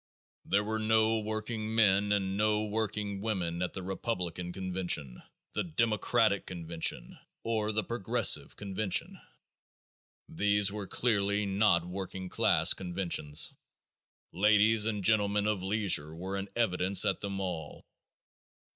There were no working men and no working women at the Republican convention, the Democratic convention, or the Progressive convention. These were clearly not working class conventions. Ladies and gentlemen of leisure were in evidence at them all.